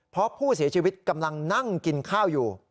เพราะผู้เสียชีวิตกำลังนั่งกินข้าวอยู่